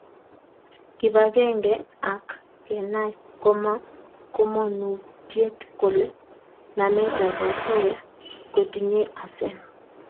Kibagenge ak Kenai komonutiet kole nametab osoya kotinyei asen